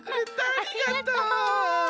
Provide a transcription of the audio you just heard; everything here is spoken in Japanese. ありがとう！